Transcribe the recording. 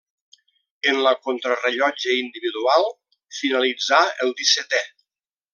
En la contrarellotge individual finalitzà el dissetè.